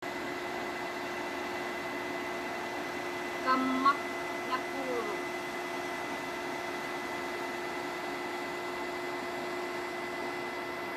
Kammak nakuurut.